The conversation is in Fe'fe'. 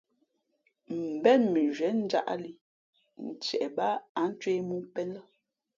Mbén mʉnzhwē njāʼlī ntie bāā ǎ ncwēh mōō pēn lά.